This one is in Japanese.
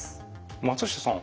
松下さん